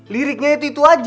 liriknya itu itu aja